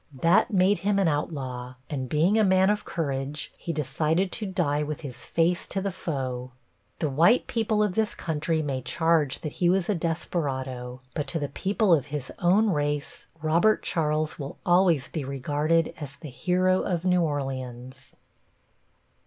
That made him an outlaw, and being a man of courage he decided to die with his face to the foe. The white people of this country may charge that he was a desperado, but to the people of his own race Robert Charles will always be regarded as the hero of New Orleans.